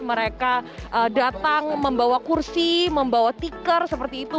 mereka datang membawa kursi membawa tikar seperti itu